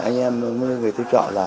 anh em người thư trọ